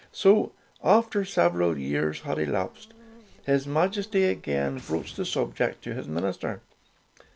So after several years had elapsed, his Majesty again broached the subject to his minister.